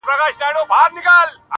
څوک به نو څه رنګه اقبا وویني,